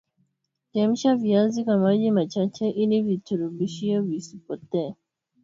chemsha viazi kwa maji machache ili virutubisho visipotee